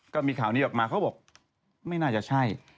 ก็มีข่าวนี้ออกมาเขาบอกไม่น่าจะใช่